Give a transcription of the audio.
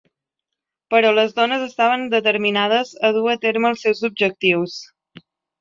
Però les dones estaven determinades a dur a terme els seus objectius.